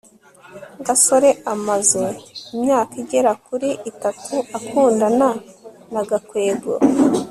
gasore amaze imyaka igera kuri itatu akundana na gakwego